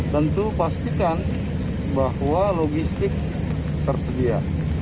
tentu pastikan bahwa logistik tersedia